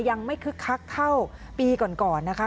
ยังไม่คึกคักเท่าปีก่อนนะคะ